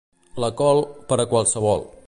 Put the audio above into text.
La col, per a qualsevol.